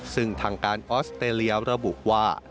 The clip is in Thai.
ซึ่งทางการออสเตรเลียระบุว่า